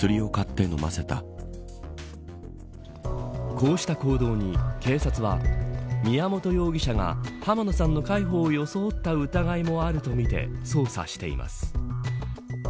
こうした行動に警察は宮本容疑者が濱野さんの介抱を装った疑いもあるとみて捜査しています。